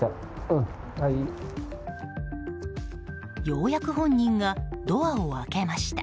ようやく本人がドアを開けました。